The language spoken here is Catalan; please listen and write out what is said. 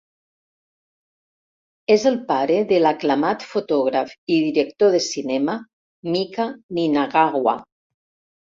És el pare de l'aclamat fotògraf i director de cinema Mika Ninagawa.